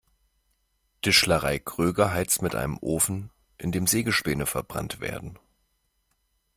Tischlerei Kröger heizt mit einem Ofen, in dem Sägespäne verbrannt werden.